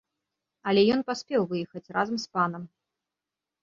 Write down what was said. Але ён паспеў выехаць разам з панам.